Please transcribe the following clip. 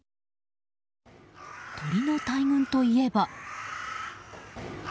鳥の大群といえば。